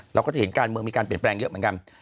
เราก็จะเห็นการเมืองมีการเปลี่ยนแปลงเยอะเหมือนกัน